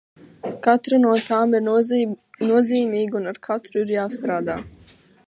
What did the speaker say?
Katra no tām ir nozīmīga, un ar katru ir jāstrādā.